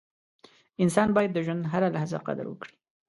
• انسان باید د ژوند هره لحظه قدر وکړي.